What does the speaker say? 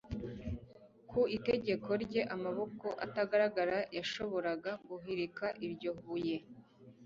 Ku itegeko rye, amaboko atagaragara yashoboraga guhirika iryo buye.